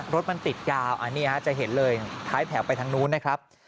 รถมันติดยาวอันนี้จะเห็นเลยท้ายแถวไปทางนู้นนะครับ